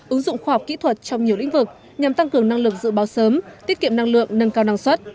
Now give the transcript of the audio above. ứng dụng khoa học kỹ thuật trong nhiều lĩnh vực nhằm tăng cường năng lực dự báo sớm tiết kiệm năng lượng nâng cao năng suất